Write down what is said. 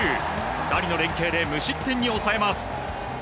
２人の連携で無失点に抑えます。